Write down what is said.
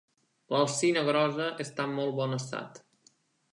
L'alzina grossa està en molt bon estat.